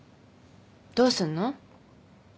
どうすんの？